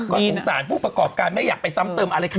ก็สงสารผู้ประกอบการไม่อยากไปซ้ำเติมอะไรใคร